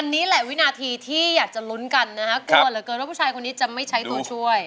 อันนี้แหละวินาทีที่อยากจะลุ้นกันนะฮะกลัวเหลือเกินว่าผู้ชายคนนี้จะไม่ใช้ตัวช่วย